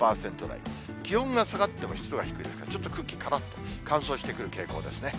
気温が下がっても湿度が低いので、ちょっと空気からっと、乾燥してくる傾向ですね。